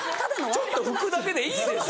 ちょっと拭くだけでいいでしょ。